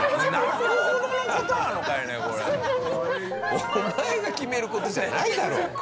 お前が決める事じゃないだろ！